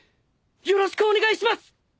よろしくお願いします！